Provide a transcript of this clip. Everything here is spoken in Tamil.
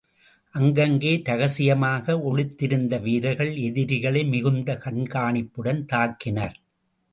அங்கங்கே ரகசியமாக ஒளிந்திருந்த வீரர்கள் எதிரிகளை மிகுந்த கண்காணிப்புடன் தாக்கினர்.